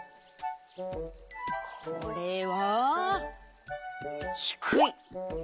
これはひくい。